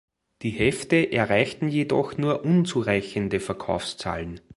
Die Hefte erreichten jedoch nur unzureichende Verkaufszahlen.